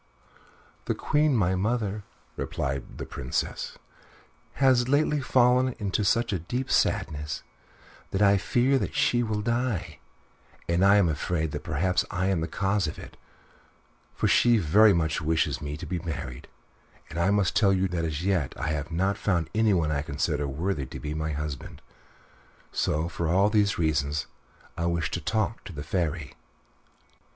"The Queen, my mother," replied the Princess, "has lately fallen into such deep sadness that I fear that she will die; and I am afraid that perhaps I am the cause of it, for she very much wishes me to be married, and I must tell you truly that as yet I have not found anyone I consider worthy to be my husband. So for all these reasons I wished to talk to the Fairy."